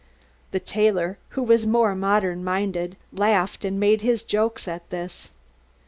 The tailor, who was more modern minded, laughed and made his jokes at this.